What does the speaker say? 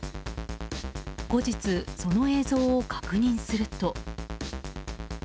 後日、その映像を確認すると。